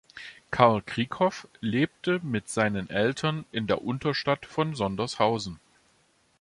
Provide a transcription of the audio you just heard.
Karl Krieghoff lebte mit seinen Eltern in der Unterstadt von Sondershausen.